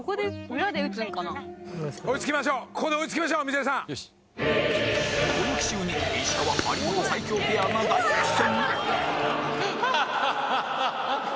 この奇襲に石川張本最強ペアが大苦戦？